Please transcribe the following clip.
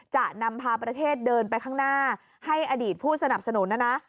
จะนำพาประเทศเดินไปข้างหน้าให้อดีตผู้สนับสนุนนะนะ